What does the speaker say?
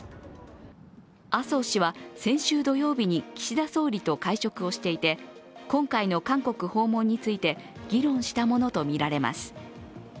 麻生氏は先週土曜日に岸田総理と会食をしていて今回の韓国訪問について議論したものとみられます。